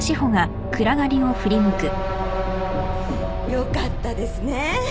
よかったですね。